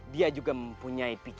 dia juga mempunyai pikiran yang baik